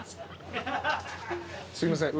すいません。